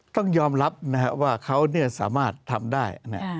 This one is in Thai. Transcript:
ต้องยอมรับว่าเขาสามารถทำได้